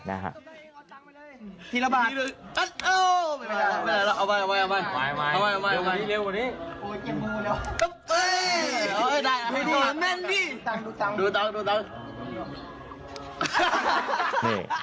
ดูทั้งดูทั้ง